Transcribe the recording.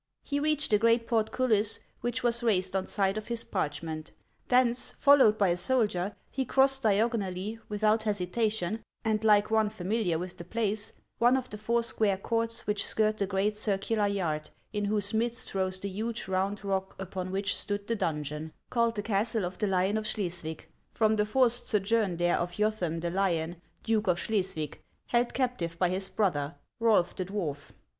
He reached the great portcullis, which was raised on sight of his parchment. Thence, followed by a soldier, he crossed diagonally, with out hesitation, and like one familiar with the place, one of the four square courts which skirt the great circular yard, in whose midst rose the huge round rock upon which stood the donjon, called the castle of the Lion of Schleswig, from the forced sojourn there of Jotham the Lion, Duke of Schleswig, held captive by his brother, Rolf the Dwarf.